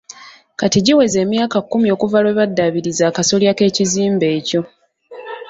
Kati giweze emyaka kkumi okuva lwe baddaabiriza akasolya k'ekizimbe ekyo.